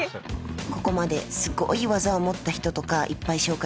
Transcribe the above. ここまですごい技を持った人とかいっぱい紹介したでしょ。